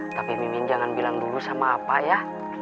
tapi mimin jangan bilang dulu sama apa ya